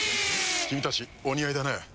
君たちお似合いだね。